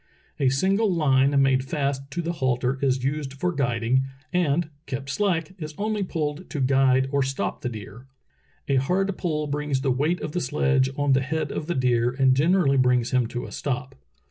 A single line made fast to the halter is used for guiding, and, kept slack, is onh'^ pulled to guide or stop the deer. A hard pull brings the weight of the sledge on the head of the deer and generally brings him to a stop.